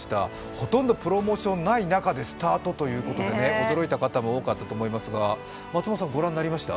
ほとんどプロモーションない中でスタートだったので驚いた方も多かったと思いますが、松本さん、ご覧になりました？